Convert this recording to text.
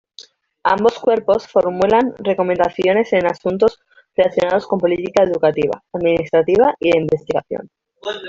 Ambos cuerpos formulan recomendaciones en asuntos relacionados con política educativa, administrativa y de investigación.